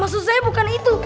maksud saya bukan itu